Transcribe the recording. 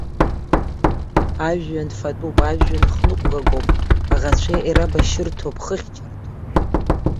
Ажәҩан фатәуп, ажәҩан хныҟәгагоуп, аӷацәа ирабашьырҭоуп, хыхьчарҭоуп.